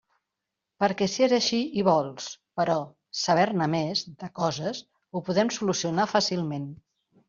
Perquè si és així i vols, però, saber-ne més, de coses, ho podem solucionar fàcilment.